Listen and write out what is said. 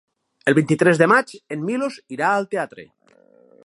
El vint-i-tres de maig en Milos irà al teatre.